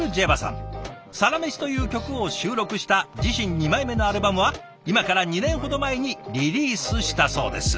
「サラメシ」という曲を収録した自身２枚目のアルバムは今から２年ほど前にリリースしたそうです。